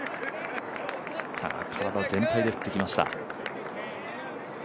体全体で打ってきました。